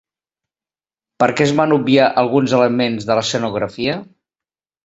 Per què es van obviar alguns elements de l'escenografia?